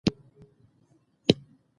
ازادي راډیو د اټومي انرژي وضعیت انځور کړی.